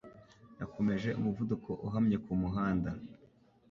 Yakomeje umuvuduko uhamye kumuhanda.